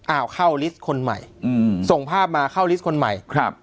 อ้าวเข้าลิสต์คนใหม่อืมส่งภาพมาเข้าลิสต์คนใหม่ครับ